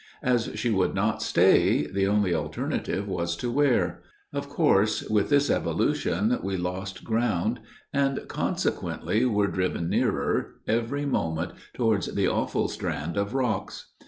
As she would not stay, the only alternative was, to wear; of course, with this evolution, we lost ground, and, consequently, were driven nearer, every moment, toward the awful strand of rocks.